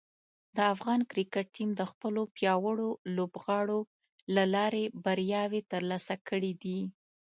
د افغان کرکټ ټیم د خپلو پیاوړو لوبغاړو له لارې بریاوې ترلاسه کړې دي.